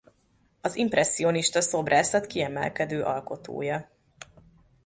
Az impresszionista szobrászat kiemelkedő alkotója.